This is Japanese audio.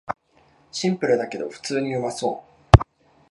シンプルだけど普通にうまそう